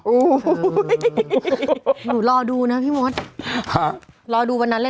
อุ้ยหนูรอดูนะพี่มศค่ะรอดูวันนั้นเลยนะ